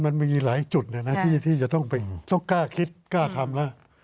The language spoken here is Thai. มันมีหลายจุดที่จะต้องกล้าคิดกล้าทำแล้ว